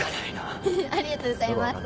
フフッありがとうございます。